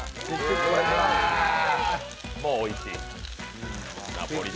もうおいしい。